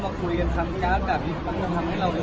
เพราะว่าอะไรจังนะฮะถ้าอันนี้มันก็เหมือนเราก็